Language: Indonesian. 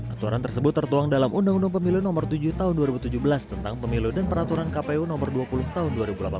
aturan tersebut tertuang dalam undang undang pemilu nomor tujuh tahun dua ribu tujuh belas tentang pemilu dan peraturan kpu nomor dua puluh tahun dua ribu delapan belas